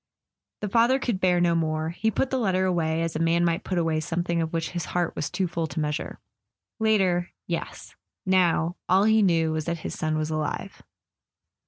The father could bear no more; he put the letter away, as a man might put away something of which his heart was too full to measure it. Later—yes; now, all he knew was that his son was alive.